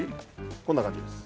こんな感じです。